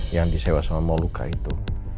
yang disewa sama moluka itu